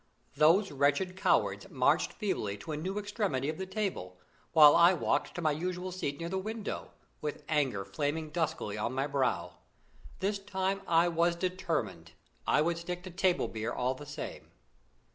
Those wretched cowards marched feebly to a new extremity of the table, while I walked to my usual seat near the window, with anger flaming duskily on my brow. This time I was determined. I would stick to table beer all the same.